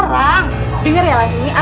bisa berubah juga